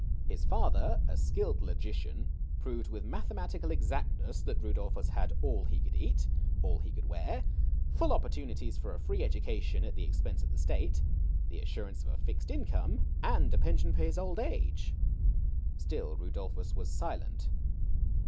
His father, a skilled logician, proved with mathe matical exactness that Rudolphus had all he could eat ; all he could wear ; full opportunities for a free education at the expense of the State ; the assurance of a fixed income, and a pension for his old age. Still Rudolphus was silent.